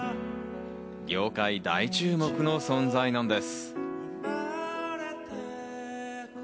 業界大注目の存在なんです。